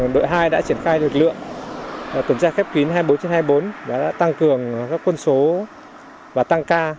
đội hai đã triển khai lực lượng tuần tra khép kín hai mươi bốn trên hai mươi bốn đã tăng cường các quân số và tăng ca